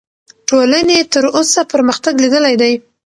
ټولنې تر اوسه پرمختګ لیدلی دی.